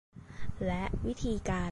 และวิธีการ